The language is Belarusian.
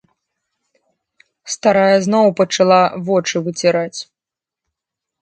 Старая зноў пачала вочы выціраць.